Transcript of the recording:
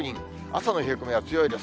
朝の冷え込みは強いです。